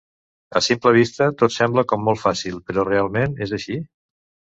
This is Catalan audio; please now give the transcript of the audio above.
A simple vista tot sembla com molt fàcil, però realment és així?